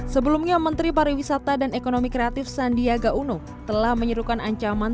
sebelumnya menteri pariwisata dan ekonomi kreatif sandiaga uno telah menyerukan ancaman